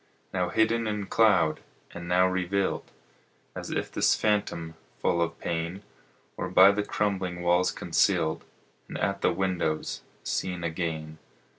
Now hidden in cloud, and now revealed, As if this phantom, full of pain, Were by the crumbling walls concealed, And at the windows seen again.